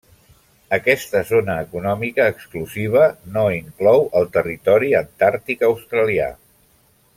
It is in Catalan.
Aquesta zona econòmica exclusiva no inclou el Territori Antàrtic Australià.